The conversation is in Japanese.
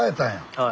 はい。